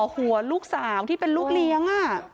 หัวลูกสาวที่เป็นลูกเลี้ยง